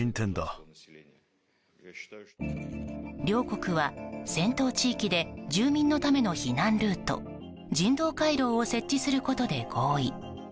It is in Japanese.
両国は戦闘地域で住民のための避難ルート人道回廊を設置することで合意。